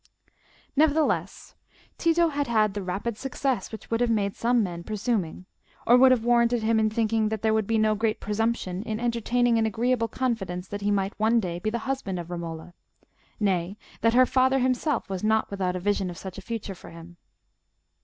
Nevertheless, Tito had had the rapid success which would have made some men presuming, or would have warranted him in thinking that there would be no great presumption in entertaining an agreeable confidence that he might one day be the husband of Romola—nay, that her father himself was not without a vision of such a future for him.